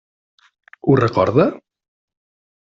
Ho recorda?